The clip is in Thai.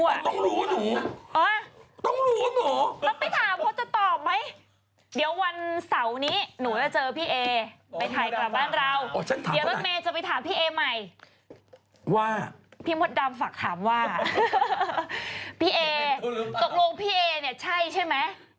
ไปไทยกลับบ้านเราเดี๋ยวลดเมย์จะไปถามพี่เอ๊มัยพี่มดดำฝากถามว่าพี่เอ๊ตกลงพี่เอ๊เนี่ยใช่ใช่ไหม